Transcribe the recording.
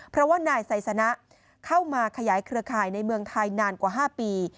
เพราะว่านายไซสนะเข้ามาขยายเครือข่ายในเมืองไทยนานกว่า๕ปี